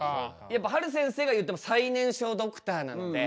やっぱはる先生が言っても最年少ドクターなので。